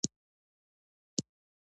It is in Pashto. پښتون ننګیالی قوم دی.